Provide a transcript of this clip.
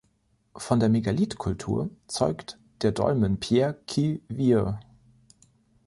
Von der Megalithkultur zeugt der Dolmen Pierre-qui-Vire.